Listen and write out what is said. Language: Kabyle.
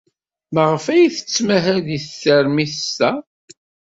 Maɣef ay tettmahal deg teṛmist-a?